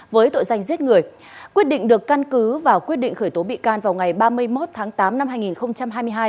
với tội danh giết người quyết định được căn cứ và quyết định khởi tố bị can vào ngày ba mươi một tháng tám năm hai nghìn hai mươi hai